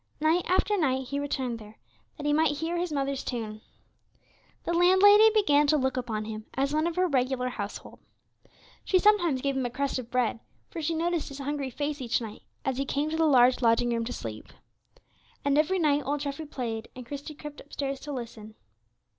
Night after night he returned there, that he might hear his mother's tune. The landlady began to look upon him as one of her regular household. She sometimes gave him a crust of bread, for she noticed his hungry face each night, as he came to the large lodging room to sleep. And every night old Treffy played, and Christie crept upstairs to listen.